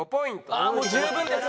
ああもう十分です